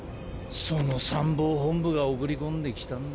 その参謀本部が送り込んできたんだ。